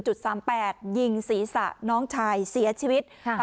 สามแปดยิงศีรษะน้องชายเสียชีวิตค่ะ